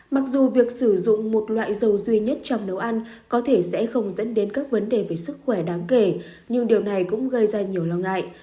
mặc dù việc sử dụng một loại dầu duy nhất trong nấu ăn có thể sẽ không dẫn đến các vấn đề về sức khỏe đáng kể nhưng điều này cũng gây ra nhiều lo ngại